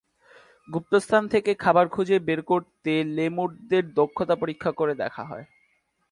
গুপ্তস্থান থেকে খাবার খুঁজে বের করতে লেমুরদের দক্ষতা পরীক্ষা করে দেখা হয়।